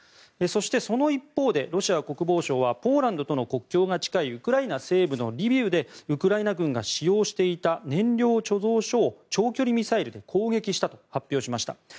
そして、その一方でロシア国防省はポーランドとの国境が近いウクライナ西部のリビウでウクライナ軍が使用していた燃料貯蔵所を長距離ミサイルで攻撃したと発表しました。